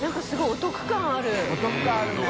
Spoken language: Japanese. お得感あるね。